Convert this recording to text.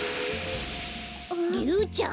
リュウちゃん？